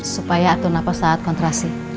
supaya atur nafas saat kontrasi